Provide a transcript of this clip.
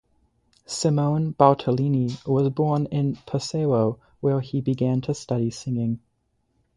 Simone Bartolini was born in Pesaro, where he began to study singing.